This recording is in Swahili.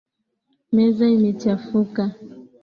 Meza imechafuka.